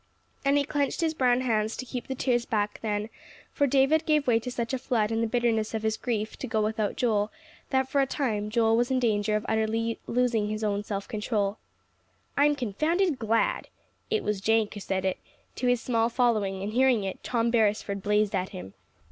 And he clenched his brown hands to keep the tears back then, for David gave way to such a flood in the bitterness of his grief to go without Joel, that for a time, Joel was in danger of utterly losing his own self control. "I'm confounded glad." It was Jenk who said it to his small following; and hearing it, Tom Beresford blazed at him.